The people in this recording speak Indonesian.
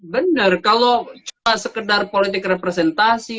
benar kalau sekedar politik representasi